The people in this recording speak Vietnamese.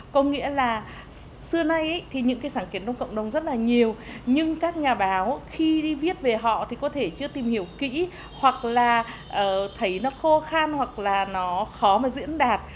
có nghĩa là xưa nay thì những cái sáng kiến trong cộng đồng rất là nhiều nhưng các nhà báo khi đi viết về họ thì có thể chưa tìm hiểu kỹ hoặc là thấy nó khô khan hoặc là nó khó mà diễn đạt